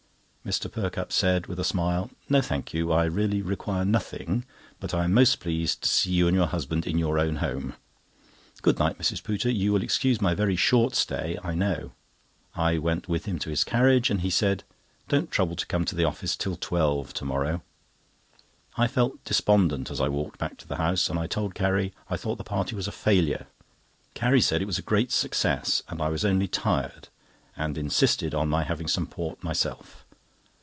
Mr. Perkupp said, with a smile: "No, thank you. I really require nothing, but I am most pleased to see you and your husband in your own home. Good night, Mrs. Pooter—you will excuse my very short stay, I know." I went with him to his carriage, and he said: "Don't trouble to come to the office till twelve to morrow." I felt despondent as I went back to the house, and I told Carrie I thought the party was a failure. Carrie said it was a great success, and I was only tired, and insisted on my having some port myself.